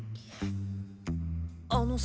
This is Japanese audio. あのさ。